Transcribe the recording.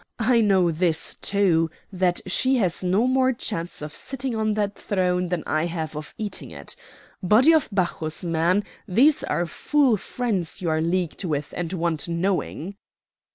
I know this, too, that she has no more chance of sitting on that throne than I have of eating it. Body of Bacchus, man, these are foul fiends you are leagued with and want knowing."